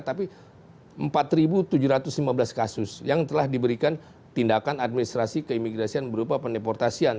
tapi empat tujuh ratus lima belas kasus yang telah diberikan tindakan administrasi keimigrasian berupa pendeportasian